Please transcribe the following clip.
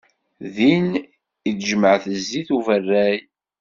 Din i d-jemεent zzit n uberray.